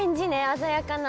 鮮やかな。